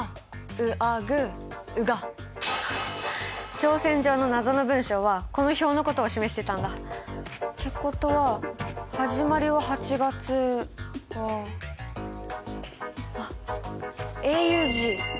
挑戦状の謎の文章はこの表のことを示してたんだ！ってことは「始まりは８月」はあっＡＵＧ！